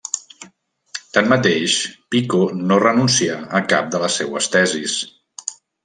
Tanmateix, Pico no renuncià a cap de les seues tesis.